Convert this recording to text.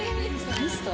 ミスト？